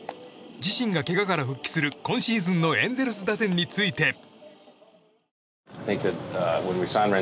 自身がけがから復帰する今シーズンのエンゼルス打線について。